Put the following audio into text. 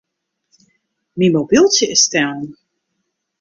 Myn mobyltsje is stellen.